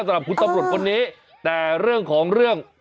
ก็แต่คุณตรบรตคนนี้แต่เรื่องของเรื่อง